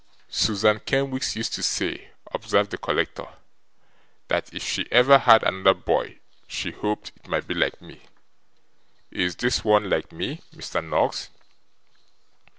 'Susan Kenwigs used to say,' observed the collector, 'that if ever she had another boy, she hoped it might be like me. Is this one like me, Mr Noggs?